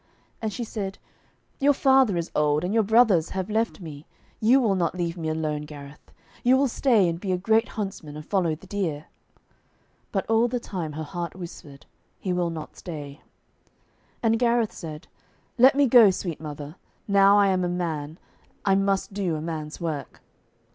And she said, 'Your father is old, and your brothers have left me, you will not leave me alone, Gareth. You will stay and be a great huntsman and follow the deer.' But all the time her heart whispered, 'He will not stay.' And Gareth said, 'Let me go, sweet mother. Now I am a man, I must do a man's work.